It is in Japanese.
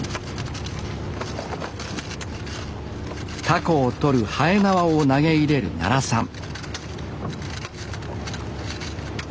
タコを取るはえなわを投げ入れる奈良さん